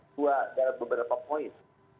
dari beberapa poin